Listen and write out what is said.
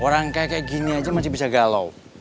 orang kayak gini aja masih bisa galau